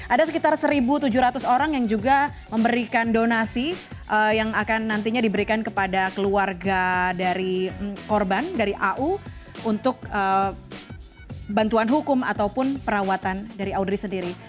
ada sekitar satu tujuh ratus orang yang juga memberikan donasi yang akan nantinya diberikan kepada keluarga dari korban dari au untuk bantuan hukum ataupun perawatan dari audrey sendiri